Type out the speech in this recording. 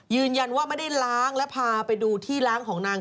ยืนยันว่าไม่ได้ล้างและพาไปดูที่ล้างของนาง